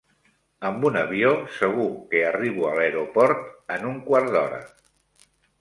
Amb un avió segur que arribo a l'aeroport en un quart d'hora.